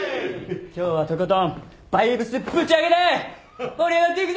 今日はとことんバイブスぶち上げで盛り上がっていくぞ！